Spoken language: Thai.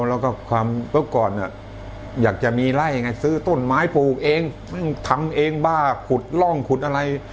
แล้วก็ความเมื่อก่อนเนี่ยอยากจะมีไล่ยังไงซื้อต้นไม้ปลูกเองทำเองบ้าขุดร่องขุดอะไร